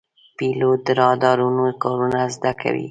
پیلوټ د رادارونو کارونه زده کوي.